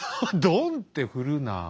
どんって振るな。